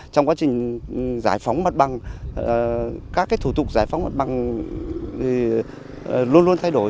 trong quá trình giải phóng mặt băng các cái thủ tục giải phóng mặt băng thì luôn luôn thay đổi